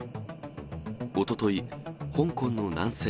おととい、香港の南西